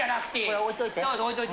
置いといて。